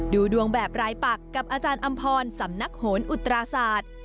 ดูดวงแบบรายปักกับอาจารย์อำพรสำนักโหนอุตราศาสตร์